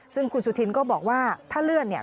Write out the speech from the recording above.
ซึ่งคุณสุธินก็บอกว่าถ้าเลื่อนเนี่ย